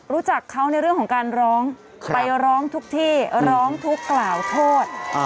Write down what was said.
รู้จักเขาในเรื่องของการร้องไปร้องทุกที่ร้องทุกข์กล่าวโทษ